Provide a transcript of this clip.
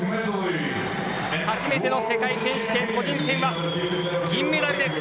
初めての世界選手権、個人戦は銀メダルです